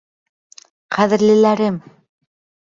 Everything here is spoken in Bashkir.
Ҡәҙерлеләрем!